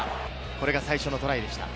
これが最初のトライでした。